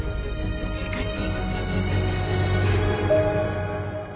しかし。